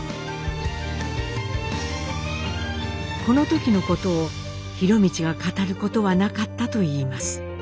この時のことを博通が語ることはなかったといいます。